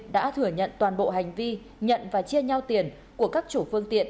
đã thừa nhận toàn bộ hành vi nhận và chia nhau tiền của các chủ phương tiện